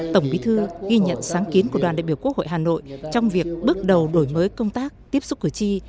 tổng bí thư ghi nhận sáng kiến của đoàn đại biểu quốc hội hà nội trong việc bước đầu đổi mới công tác tiếp xúc cử tri